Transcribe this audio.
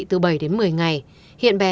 từ bảy đến một mươi ngày hiện bé